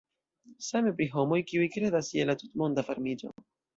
Same pri homoj, kiuj kredas je la tutmonda varmiĝo.